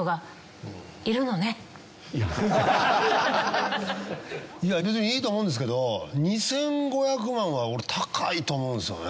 それをいや別にいいと思うんですけど２５００万は俺高いと思うんですよね。